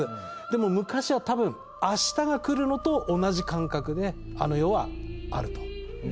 でも昔は多分明日が来るのと同じ感覚であの世はあると。